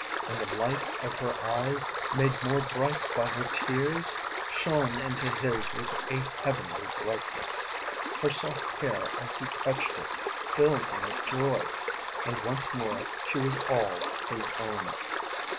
And the light of her eyes, made more bright by her tears, shone into his with a heavenly brightness. Her soft hair as he touched it filled him with joy. And once more she was all his own.